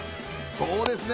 そうですね